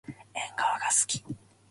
えんがわがすき。